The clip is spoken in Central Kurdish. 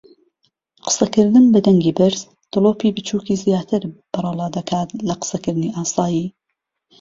قسەکردن بە دەنگی بەرز دڵۆپی بچووکی زیاتر بەرەڵادەکات لە قسەکردنی ئاسایی.